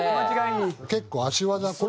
結構足技。